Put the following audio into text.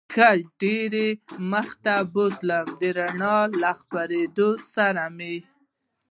ښه ډېر یې مخ ته بوتلم، د رڼا له خپرېدو سره مې.